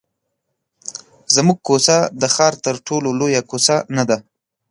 زموږ کوڅه د ښار تر ټولو لویه کوڅه نه ده.